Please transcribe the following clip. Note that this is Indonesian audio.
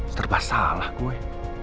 setelah salah gue